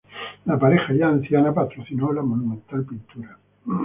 La pareja, ya anciana, patrocinó la monumental pintura.